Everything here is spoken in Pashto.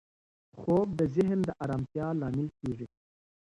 خوب د ذهن د ارامتیا لامل کېږي.